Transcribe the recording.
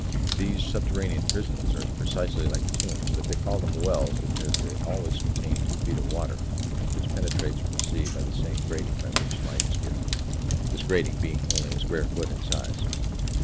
These subterranean prisons are precisely like tombs, but they call them "wells," because they always contain two feet of water, which penetrates from the sea by the same grating by which light is given, this grating being only a square foot in size.